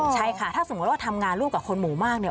ใช่ค่ะถ้าสมมุติว่าทำงานร่วมกับคนหมู่มากเนี่ย